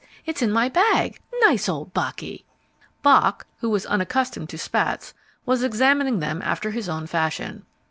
It's in my bag. Nice old Bocky!" Bock, who was unaccustomed to spats, was examining them after his own fashion.